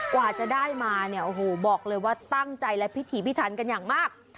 กว่าจะได้มาบอกเลยว่าตั้งใจและพิถีพิทันกันอย่างมาก